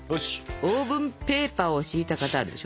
オーブンペーパーを敷いた型あるでしょ。